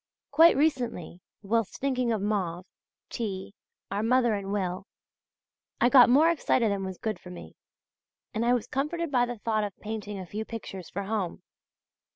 Quite recently, whilst thinking of Mauve, T., our mother and Will, I got more excited than was good for me, and I was comforted by the thought of painting a few pictures for home.